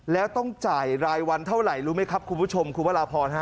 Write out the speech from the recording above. แล้วต้องจ่ายรายวันเท่าไหร่รู้ไหมครับคุณผู้ชมคุณพระราพรฮะ